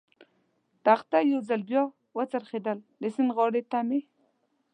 تخته یو ځل بیا و څرخېدل، د سیند غاړې ته مې.